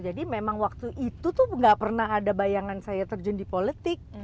jadi memang waktu itu tuh gak pernah ada bayangan saya terjun di politik